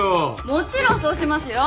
もちろんそうしますよ！